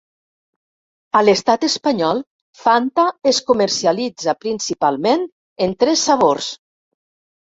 A l'Estat Espanyol Fanta es comercialitza principalment en tres sabors.